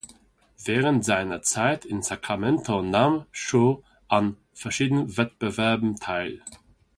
Während seiner Zeit in Sacramento nahm Shew an verschiedenen Wettbewerben teil.